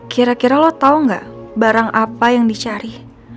kira kira lo tahu nggak barang apa yang dicari